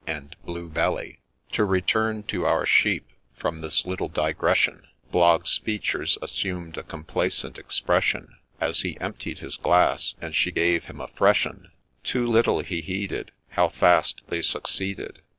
' and ' Blue Belly 1 '' To return to our sheep ' from this little digression :— Blogg's features assumed a complacent expression As he emptied his glass, and she gave him a fresh one ; Too little he heeded, How fast they succeeded.